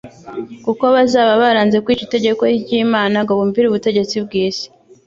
Kuko bazaba baranze kwica itegeko ry'Imana ngo bumvire ubutegetsi bw'isi,